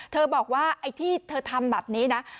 เธอบอกว่าที่เธอทำแบบนี้นะ